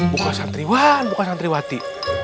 bukan santriwan bukan santriwati